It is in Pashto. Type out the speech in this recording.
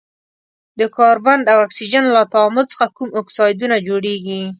د کاربن او اکسیجن له تعامل څخه کوم اکسایدونه جوړیږي؟